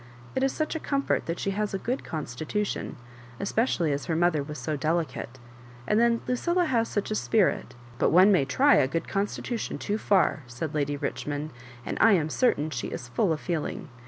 " It is such a comfort that she has a good constitution, especially as her mother was so delicate ; and then Lucilla has such a gpirit *^" But one may try a good constitution too &r," said Lady Richmond ;" and I am certain she is full of feeling.